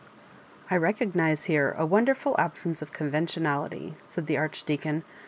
I recognise here a wonderful absence of con ventionality," said the Archdeacon.